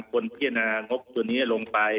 คนเพียราชิดงบจน้ำลงไป